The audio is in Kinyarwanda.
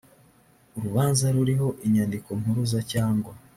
urubanza ruriho inyandikompuruza cyangwa